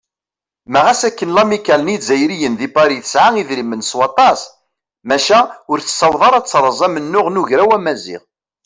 Ma ɣas akken lamikkal n yizzayriyen di Pari tesɛa idrimen s waṭas, maca ur tessaweḍ ara ad teṛṛez amennuɣ n Ugraw Amaziɣ.